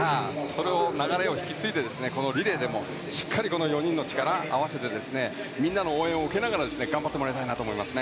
その流れを引き継いでこのリレーでもしっかり４人の力を合わせてみんなの応援を受けながら頑張ってもらいたいと思います。